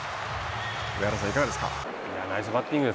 上原さん、いかがですか。